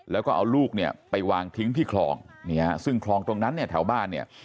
แล้วก็เอาลูกเนี่ยไปวางทิ้งที่คลองเนี่ยซึ่งคลองตรงนั้นเนี่ยแถวบ้านเนี่ย